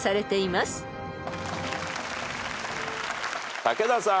武田さん。